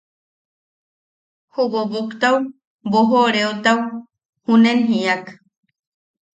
Ju boboktau boʼojoreotau junen jiak: